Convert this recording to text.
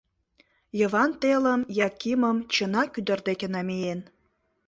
Йыван телым Якимым, чынак, ӱдыр дек намиен.